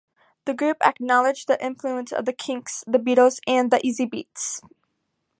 The group acknowledged the influence of the Kinks, the Beatles and the Easybeats.